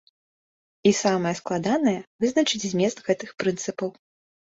І самае складанае, вызначыць змест гэтых прынцыпаў.